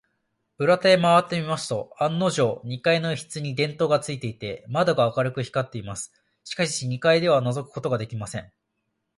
裏手へまわってみますと、案のじょう、二階の一室に電燈がついていて、窓が明るく光っています。しかし、二階ではのぞくことができません。